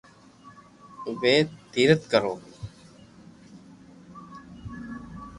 اووي تيرٿ ڪرو